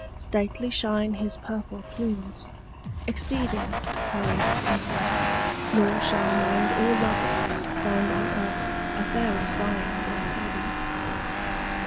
Stately shine his purple plumes, exceeding Pride of princes: nor shall maid or lover Find on earth a fairer sign worth heeding.